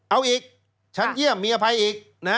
เอาอีกฉันเยี่ยมมีอภัยอีกนะ